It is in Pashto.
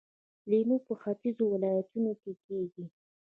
لیمو په ختیځو ولایتونو کې کیږي.